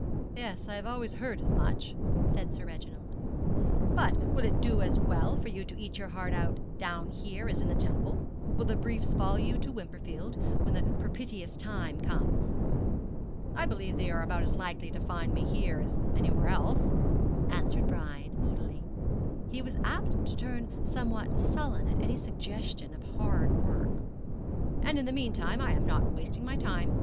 'Yes, I have always heard as much,' said Sir Reginald; 'but will it do as well for you to eat your heart out down here as in the Temple? Will the briefs follow you to Wimperfield when the propitious time comes?' 'I believe they are about as likely to find me here as anywhere else,' answered Brian, moodily, he was apt to turn somewhat sullen at any suggestion of hard work 'and in the meanwhile I am not wasting my time.